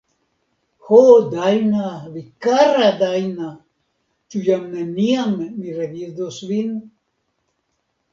Ho, Dajna, vi kara Dajna, ĉu jam neniam mi revidos vin?